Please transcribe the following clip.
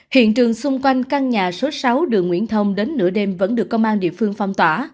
hiện trường xung quanh căn nhà số sáu đường nguyễn thông đến nửa đêm vẫn được công an địa phương phong tỏa